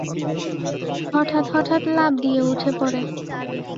হঠাৎ হঠাৎ লাফ দিয়ে উঠে পরে।